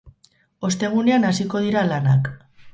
Ostegunean hasiko dira lanak.